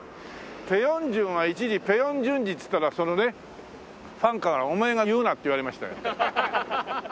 ペ・ヨンジュンは一時「ペ・ヨンジュンジ」っつったらそのねファンから「お前が言うな」って言われましたよ。